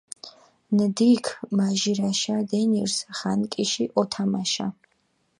ნდიქჷ მაჟირაშა დენირზ ღანკიში ჸოთამაშა.